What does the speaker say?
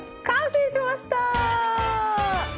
完成しましたー！